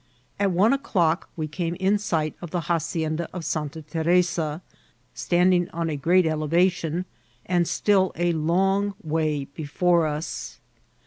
At one o'clock we came in sight <^ the haci enda of Santa Teresa, standing on a great elevation, and still a long way before us.